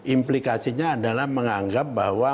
implikasinya adalah menganggap bahwa